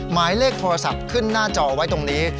หมายเลขโทรศัพท์ขึ้นหน้าจอไว้ตรงนี้